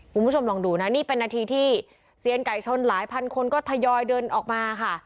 คุณผู้ชมลองดูนะนี่เป็นนาทีที่เซียนไก่ชนหลายพันคนก็ทยอยเดินออกมาค่ะ